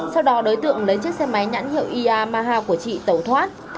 sau đó đối tượng lấy chiếc xe máy nhãn hiệu yamaha của chị tẩu thoát